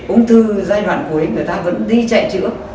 ung thư giai đoạn cuối người ta vẫn đi chạy chữa